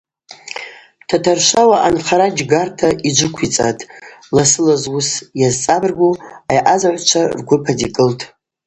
Татаршвауа анхара джьгарта йджвыквицӏатӏ, ласыла зуыс йазцӏабыргу айъазагӏвчва ргвып адикӏылтӏ.